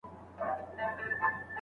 د ماهر خبرې په ځير واوره.